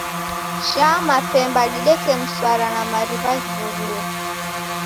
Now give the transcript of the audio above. Shaa mapemba dideke mswara na mariw'a ghiw'urue.